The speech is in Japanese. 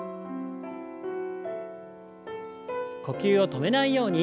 呼吸を止めないように。